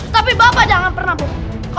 tapi bapak jangan pernah bu